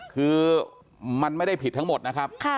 คือมันไม่ได้ผิดทั้งหมดนะครับ